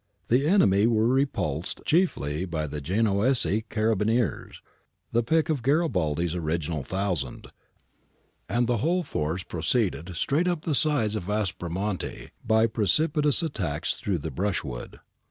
The enemy were repulsed chiefly by the Genoese carabineers, the pick of Garibaldi's original ' Thousand,' and the whole force proceeded straight up the sides of Aspromonte by precipitous tracks througli the brushwood.